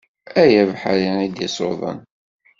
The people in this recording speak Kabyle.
Ay abeḥri i d-isuḍen